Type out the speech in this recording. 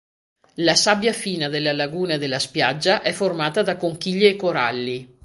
La sabbia fina della laguna e della spiaggia è formata da conchiglie e coralli.